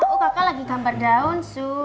oh kakak lagi gambar daun su